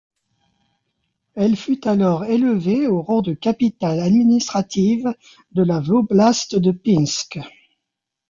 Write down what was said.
Elle fut alors élevée au rang de capitale administrative de la voblast de Pinsk.